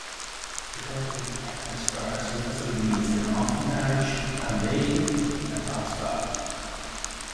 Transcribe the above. The company has production facilities in Offenbach am Main and Augsburg.